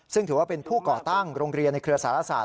ซึ่งถือว่าเป็นผู้ก่อตั้งโรงเรียนในเครือสารศาสต